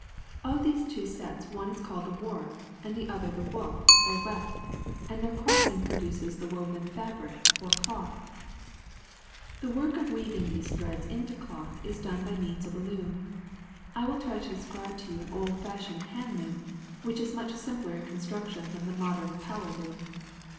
Of these two sets one is called the warp, the other the woof or weft, and their crossing pro duces the woven fabric, or cloth. ^*The work of weaving these threads into cloth is done by means of a loom. I will try to describe to you an old fashioned hand loom, which is much simpler in construction than the modem power loom.